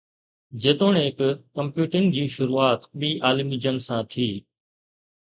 جيتوڻيڪ ڪمپيوٽنگ جي شروعات ٻي عالمي جنگ سان ٿي